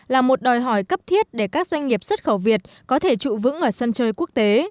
là một đòi hỏi cấp thiết để các doanh nghiệp xuất khẩu việt có thể trụ vững ở sân chơi quốc tế